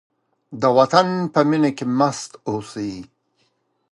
د وطن په مینه کې مست اوسئ.